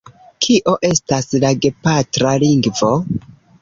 Kio estas la gepatra lingvo?